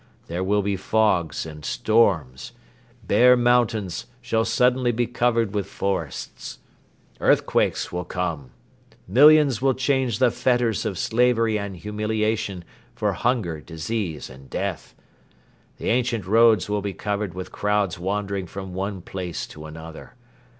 There will be fogs and storms. Bare mountains shall suddenly be covered with forests. Earthquakes will come. ... Millions will change the fetters of slavery and humiliation for hunger, disease and death. The ancient roads will be covered with crowds wandering from one place to another.